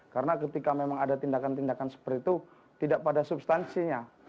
karena ketika memang ada tindakan tindakan seperti itu tidak pada substansinya